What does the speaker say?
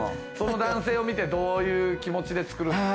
その男性を見て、どういう気持ちで作る？